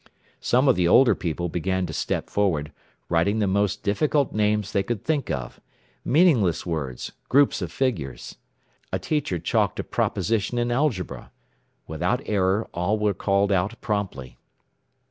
Some of the older people began to step forward, writing the most difficult names they could think of, meaningless words, groups of figures. A teacher chalked a proposition in algebra. Without error all were called out promptly.